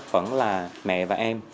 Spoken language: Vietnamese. vẫn là mẹ và em